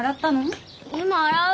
今洗う。